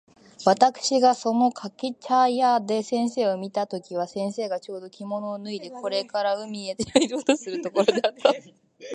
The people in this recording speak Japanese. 私（わたくし）がその掛茶屋で先生を見た時は、先生がちょうど着物を脱いでこれから海へ入ろうとするところであった。